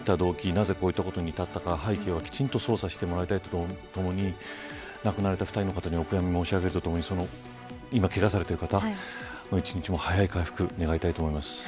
なぜこういったことに至ったか背景をきちんと捜査してもらいたいとともに亡くなった２人の方にお悔みを申し上げるとともに今、けがをされている方の一日も早い回復を願いたいと思います。